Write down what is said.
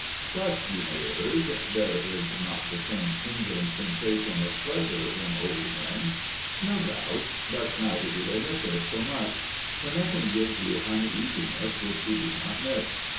But you may urge there is not the same tingling sensation of pleasure in old men. No doubt; but neither do they miss it so much. For nothing gives you uneasiness which you do not miss.